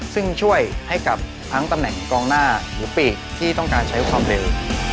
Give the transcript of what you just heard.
ซึ่งช่วยให้กับทั้งตำแหน่งกองหน้าหรือปีกที่ต้องการใช้ความเร็ว